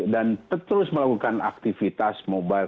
dan terus melakukan aktivitas mobile